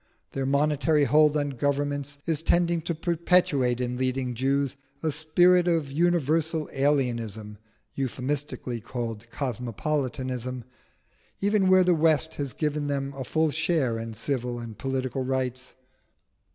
Their monetary hold on governments is tending to perpetuate in leading Jews a spirit of universal alienism (euphemistically called cosmopolitanism), even where the West has given them a full share in civil and political rights.